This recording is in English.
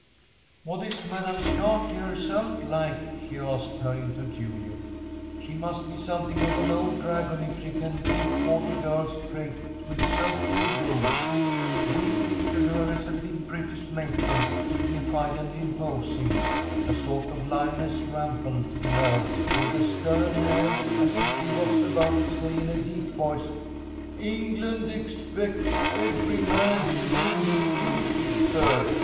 "What is Madam Chartley herself like?" she asked, turning to Juliet. "She must be something of an old dragon if she can keep forty girls straight with so few rules. We've pictured her as a big British matron, dignified and imposing, a sort of lioness rampant, you know, with a stern air, as if she was about to say in a deep voice, 'England expects every man to do his duty, sir!'"